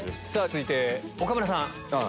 続いて岡村さん。